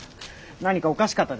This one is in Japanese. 何かおかしかったですか？